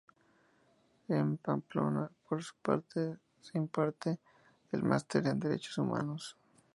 En Pamplona, por su parte, se imparte el Máster en Derechos Humanos.